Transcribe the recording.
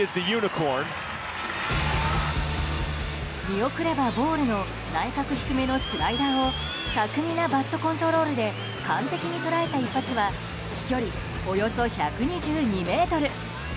見送ればボールの内角低めのスライダーを巧みなバットコントロールで完璧に捉えた一発は飛距離およそ１２２ｍ。